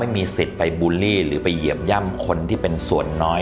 ไม่มีสิทธิ์ไปบูลลี่หรือไปเหยียบย่ำคนที่เป็นส่วนน้อย